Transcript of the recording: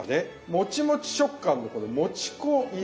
もちもち食感のもち粉入り。